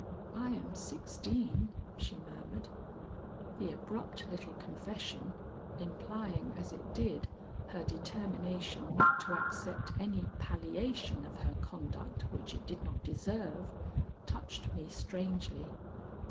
"I am sixteen," she murmured. The abrupt little confession, implying as it did her determination not to accept any palliation of her conduct which it did not deserve, touched me strangely.